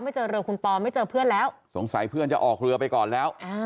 เจอเรือคุณปอไม่เจอเพื่อนแล้วสงสัยเพื่อนจะออกเรือไปก่อนแล้ว